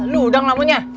lu udah ngelamunya